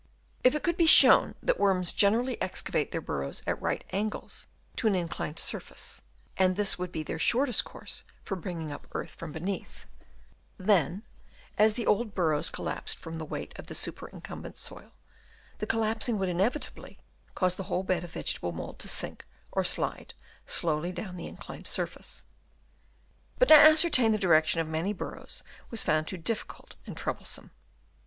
If it could be shown that worms generally excavate their burrows at right angles to an inclined surface, and this would be their shortest course for bringing up earth from beneath, then as the old burrows col lapsed from the weight of the superincum bent soil, the collapsing would inevitably cause the whole bed of vegetable mould to sink or slide slowly down the inclined sur face. But to ascertain the direction of many burrows was found too difficult and trouble some.